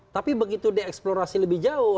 tapi begitu dieksplorasi lebih jauh